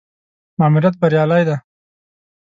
ماموریت بریالی دی.